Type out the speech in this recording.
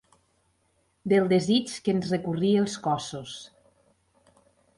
Del desig que ens recorria els cossos.